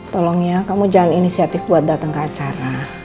tolong ya kamu jangan inisiatif buat datang ke acara